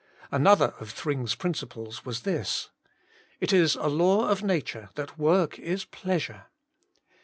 Another of Thring's principles was this: It is a law of nature that work is pleasure.